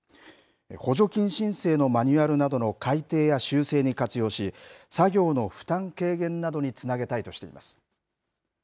補助金申請のマニュアルなどの改訂や修正に活用し、作業の負担軽減などにつなげたいとしています。